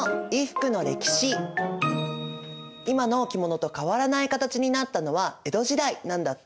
今の着物と変わらない形になったのは江戸時代なんだって。